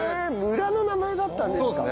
村の名前だったんですか。